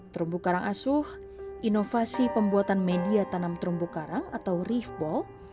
terumbu karang asuh inovasi pembuatan media tanam terumbu karang atau riftball